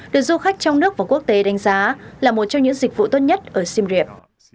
được du khách trong nước và quốc tế đánh giá là một trong những dịch vụ tốt nhất ở simream